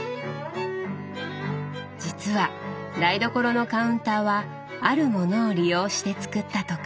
実は台所のカウンターはあるものを利用して作ったとか。